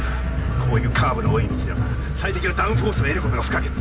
こういうカーブの多い道ではな最適なダウンフォースを得る事が不可欠だ！